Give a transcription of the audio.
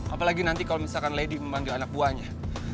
apalagi nanti kalau misalkan lady memanggil anak buahnya